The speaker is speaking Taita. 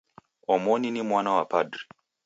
Omoni ni mwana wa padri.